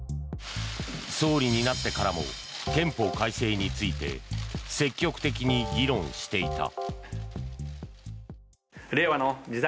総理になってからも憲法改正について積極的に議論していた。